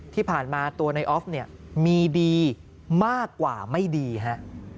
ที่ผ่านมาตัวในออฟเนี่ยมีดีมากกว่าไม่ดีฮะ